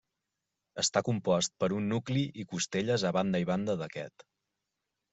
Està compost per un nucli i costelles a banda i banda d'aquest.